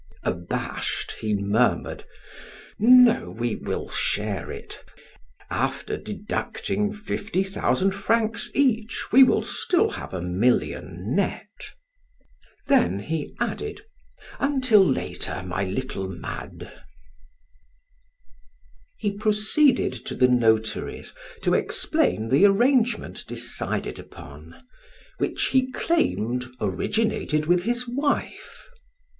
Abashed, he murmured: "No, we will share it. After deducting fifty thousand francs each we will still have a million net." Then he added: "Until later, my little Made." He proceeded to the notary's to explain the arrangement decided upon, which he claimed originated with his wife.